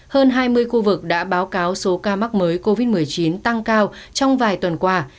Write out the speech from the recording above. hơn hai mươi khu vực đã báo cáo số ca mắc mới covid một mươi chín tăng cao trong vài tuần qua